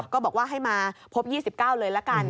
ก็บอกว่าให้มาพบ๒๙เลยละกัน